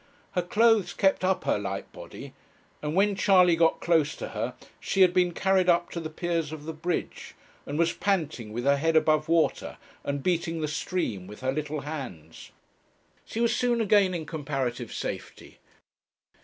Her clothes kept up her light body; and when Charley got close to her, she had been carried up to the piers of the bridge, and was panting with her head above water, and beating the stream with her little hands. She was soon again in comparative safety.